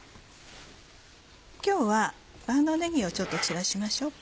今日は万能ねぎをちょっと散らしましょうか。